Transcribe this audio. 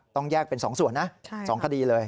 ต้องแยกเป็น๒ส่วนนะ๒คดีเลย